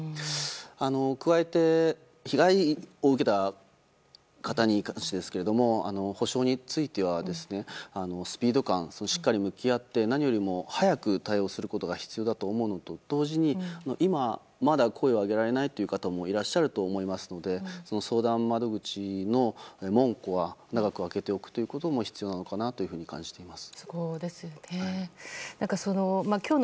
加えて、被害を受けた方に関してですけども補償についてはスピード感やしっかり向き合って何よりも早く対応することが必要だと思うのと同時に今、まだ声を上げられないという方もいらっしゃると思いますので相談窓口の門戸は長く開けておくということが必要なんじゃないかなと思います。